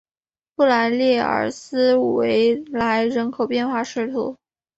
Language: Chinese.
布利盖尔斯维莱人口变化图示